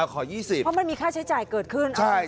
เขามีค่าใช้จ่ายเกิดขึ้น